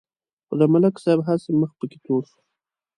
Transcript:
خو د ملک صاحب هسې مخ پکې تور شو.